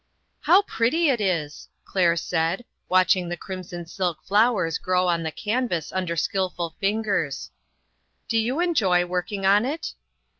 " How pretty it is," Claire said, watching the crimson silk flowers grow on the canvas under skillful fingers; "do you enjoy working on it?"